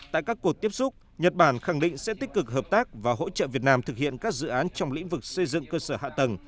tại các cuộc tiếp xúc nhật bản khẳng định sẽ tích cực hợp tác và hỗ trợ việt nam thực hiện các dự án trong lĩnh vực xây dựng cơ sở hạ tầng